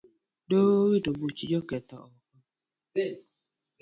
Doho owito buch joketho oko